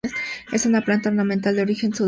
Es una planta ornamental de origen sudafricano.